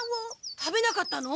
食べなかったの？